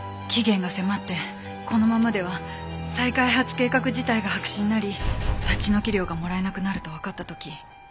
期限が迫ってこのままでは再開発計画自体が白紙になり立ち退き料がもらえなくなるとわかった時。